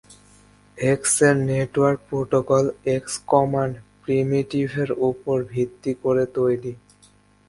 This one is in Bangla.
এক্স এর নেটওয়ার্ক প্রোটোকল এক্স কমান্ড প্রিমিটিভের উপর ভিত্তি করে তৈরি।